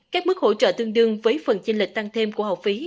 các mức hỗ trợ tương đương với phần chinh lịch tăng thêm của học phí